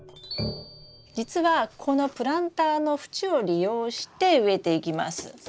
実はこのプランターの縁を利用して植えていきます。